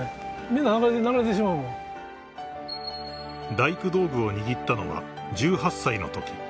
［大工道具を握ったのは１８歳のとき］